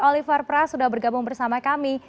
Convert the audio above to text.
oliver pras sudah bergabung bersama kami